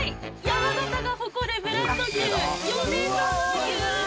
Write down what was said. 山形が誇るブランド牛米沢牛です！